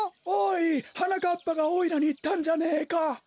おいはなかっぱがおいらにいったんじゃねえか。